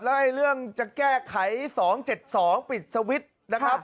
แล้วเรื่องจะแก้ไข๒๗๒ปิดสวิตช์นะครับ